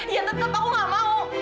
iya tetep aku gak mau